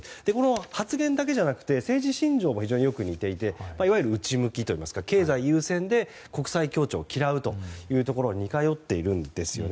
発言だけじゃなくて政治信条も非常によく似ていていわゆる内向きといいますか経済優先で国際協調を嫌うところが似通っていますね。